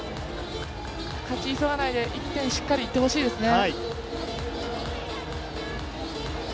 勝ち急がないで、１点しっかりいってほしいですね。